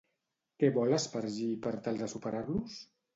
Què vol espargir per tal de superar-los?